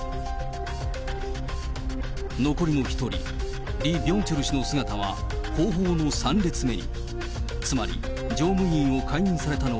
残りの１人、リ・ビョンチョル氏の姿は後方の３列目に。